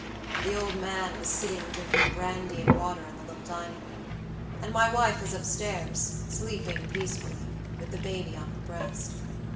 The old man was sitting drinking brandy and water in the little dining room; and my wife was up stairs, sleeping peacefully, with the baby on her breast.